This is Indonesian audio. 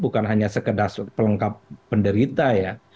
bukan hanya sekedar pelengkap penderita ya